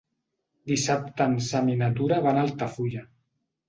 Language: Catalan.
Dissabte en Sam i na Tura van a Altafulla.